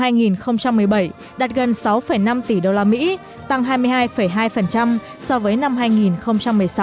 năm hai nghìn một mươi bảy đạt gần sáu năm tỷ usd tăng hai mươi hai hai so với năm hai nghìn một mươi sáu